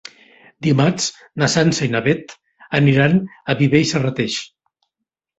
Dimarts na Sança i na Beth aniran a Viver i Serrateix.